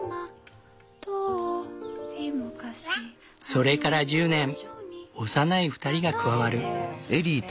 それから１０年幼い２人が加わる。